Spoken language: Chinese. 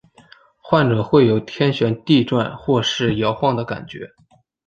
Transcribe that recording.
患者会有天旋地转或是摇晃的感觉。